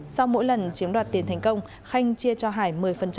sau mỗi lần chiếm đoạt tiền thành công khanh chia cho hải một mươi